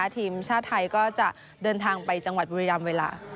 ทีมชาติไทยก็จะเดินทางไปจังหวัดบุรีรำเวลา